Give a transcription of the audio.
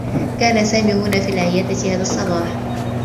كان سامي هنا في العيادة هذا الصّباح.